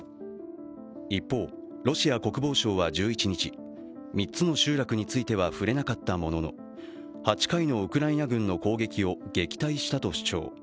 一方、ロシア国防省は１１日、３つの集落については触れなかったものの８回のウクライナ軍の攻撃を撃退したと主張。